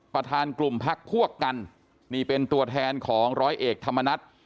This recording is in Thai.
ประธานกลุ่มพักพวกกันนี่เป็นตัวแทนของร้อยเอกธรรมนัฐ